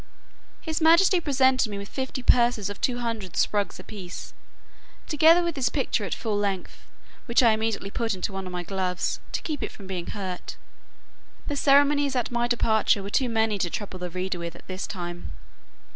His majesty presented me with fifty purses of two hundred sprugs a piece, together with his picture at full length, which I put immediately into one of my gloves, to keep it from being hurt. The ceremonies at my departure were too many to trouble the reader with at this time.